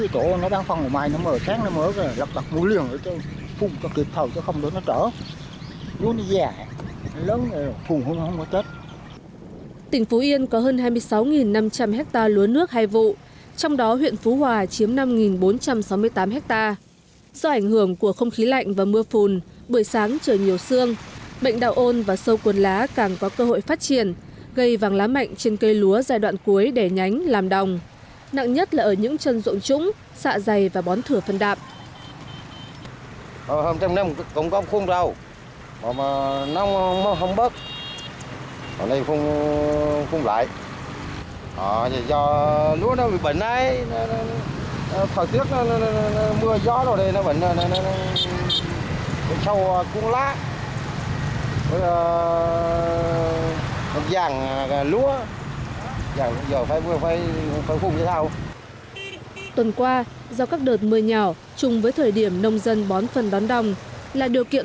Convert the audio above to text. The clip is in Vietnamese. tuần qua do các đợt mưa nhỏ chung với thời điểm nông dân bón phân đón đồng là điều kiện